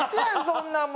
そんなん。